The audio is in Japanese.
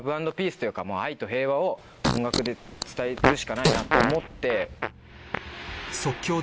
というか愛と平和を音楽で伝えるしかないなと思って。